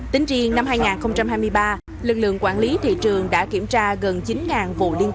tính riêng năm hai nghìn hai mươi ba lực lượng quản lý thị trường đã kiểm tra gần chín vụ liên quan